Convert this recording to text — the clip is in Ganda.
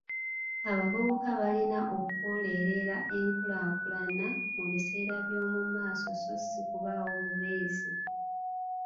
Abavubuka balina okukolerera enkulaakulana mubiseera by'omu maaso so ssi kubaawo bubeezi.